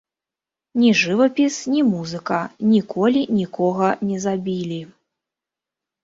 Ні жывапіс, ні музыка, ніколі нікога не забілі.